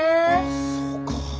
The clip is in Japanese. そうか。